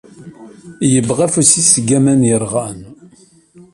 Yebbeɣ afus-is deg waman yerɣan.